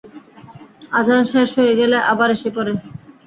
আযান শেষ হয়ে গেলে আবার এসে পড়ে।